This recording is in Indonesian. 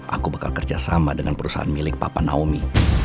aku bakal kerjasama dengan perusahaan milik papa naomi